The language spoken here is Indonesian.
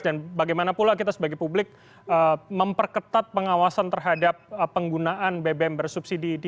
dan bagaimana pula kita sebagai publik memperketat pengawasan terhadap penggunaan bbm bersubsidi di